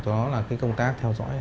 tụi nó là cái công tác theo dõi